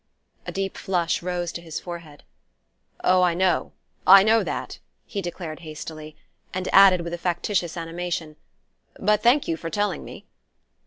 A deep flush rose to his forehead. "Oh, I know I know that " he declared hastily; and added, with a factitious animation: "But thank you for telling me."